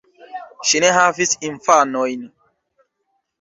Ŝi ne havis infanojn.